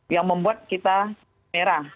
yang membuat kita merah